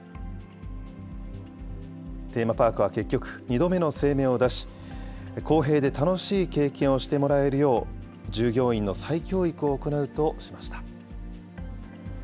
テーマパークは結局、２度目の声明を出し、公平で楽しい経験をしてもらえるよう、従業員の再教育を行うとしました。